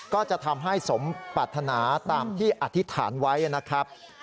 ก็จะทำให้สมปรัฐนาตามที่อธิษฐานไว้นะครับ